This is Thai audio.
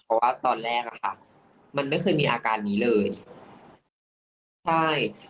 เพราะว่าตอนแรกมันไม่เคยมีอาการนี้เลย